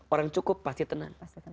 orang cukup pasti tenang